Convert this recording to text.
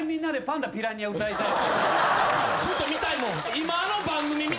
ちょっと見たいもん。